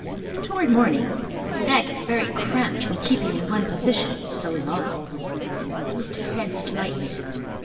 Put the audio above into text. Toward morning the stag got very cramped from keeping in one position so long. He moved his head slightly.